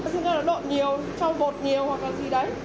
chúng ta đột nhiều cho bột nhiều hoặc là gì đấy